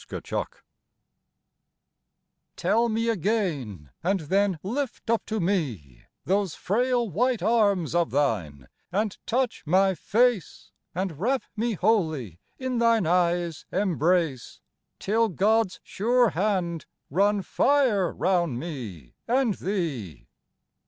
127 XXXIV TELL me again, and then lift up to me Those frail white arms of thine and touch my face, And wrap me wholly in thine eyes' embrace, Till God's sure hand run fire round me and thee.